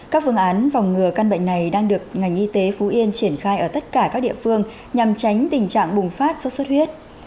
các phương án phòng ngừa căn bệnh này đang được ngành y tế phú yên triển khai ở tất cả các địa phương nhằm tránh tình trạng bùng phát sốt xuất huyết